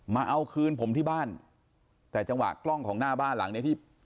มาเอาคืนผมที่บ้านแต่จังหวะกล้องของหน้าบ้านหลังเนี้ยที่